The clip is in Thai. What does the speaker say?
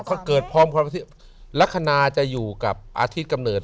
ก็เกิดพร้อมว่าลักษณะจะอยู่กับอาทิตย์กำเนิด